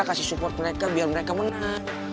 kasih support mereka biar mereka menang